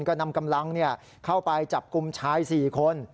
ก็นำกำลังเข้าไปจับกลุ่มชาย๔คน